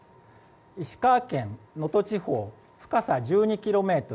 石川県能登地方、深さ１２ｋｍ。